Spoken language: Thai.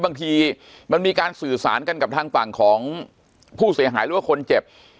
บางทีมันมีการสื่อสารกันกับทางฝั่งของผู้เสียหายหรือว่าคนเจ็บ